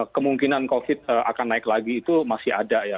kemungkinan covid akan naik lagi itu masih ada ya